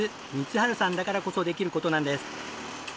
春さんだからこそできる事なんです。